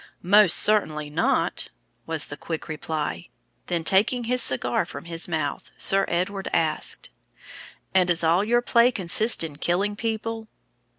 "Most certainly not," was the quick reply. Then taking his cigar from his mouth, Sir Edward asked: "And does all your play consist in killing people?"